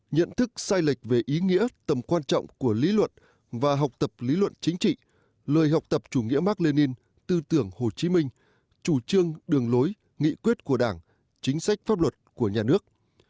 nhận thức sai lệch về ý nghĩa tầm quan trọng của lý luận và học tập lý luận chính trị lời học tập chủ nghĩa mark lenin tư tưởng hồ chí minh chủ trương đường lối nghị quyết của đảng chính sách pháp luật của nhà nước